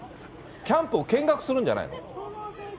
キャンプを見学するんじゃないの？